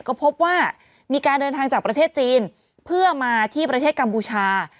ก็พบว่ามีการเดินทางจากประเทศจีนเพื่อมาที่ประเทศกัมพูชา